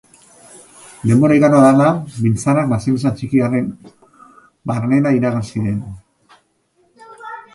Denbora igaro hala, biltzarrak baseliza txiki harren barnera iragan ziren.